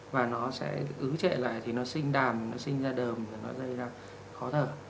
và nó sẽ ứ chế lại thì nó sinh đàm nó sinh ra đờm nó dây ra khó thở